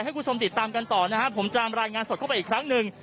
ให้คุณชมติดตามค่ะต่อผมจะมาลายงานสดเข้าไปอีกครั้งหนึ่ง